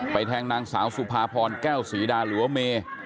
แทงนางสาวสุภาพรแก้วศรีดาหรือว่าเมย์